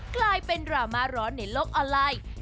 กลายเป็นดราม่าร้อนในโลกออนไลน์